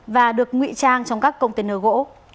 và được nguy trang trong các công ty nở gỗ